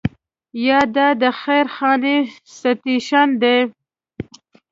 یا دا د خیر خانې سټیشن دی.